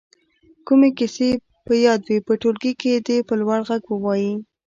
کومې کیسې په یاد وي په ټولګي کې دې په لوړ غږ ووايي.